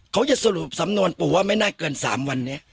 เขาจะสรุปสำนวนปู่ว่าไม่น่าเกิน๓วันนี้